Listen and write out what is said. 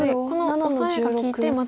このオサエが利いてまた